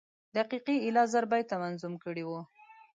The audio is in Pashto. دقیقي ایله زر بیته منظوم کړي وو.